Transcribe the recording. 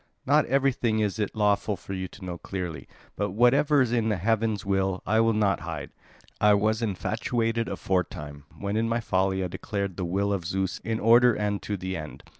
Not everything is it lawful for you to know clearly; but whatever is heaven's will, I will not hide. I was infatuated aforetime, when in my folly I declared the will of Zeus in order and to the end.